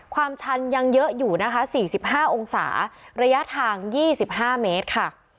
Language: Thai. ความชันยังเยอะอยู่นะคะสี่สิบห้าองศาระยะทางยี่สิบห้าเมตรค่ะ